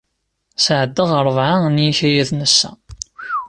Sɛeddaɣ ṛebɛa n yikayaden ass-a.